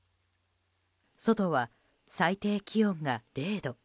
外は最低気温が０度。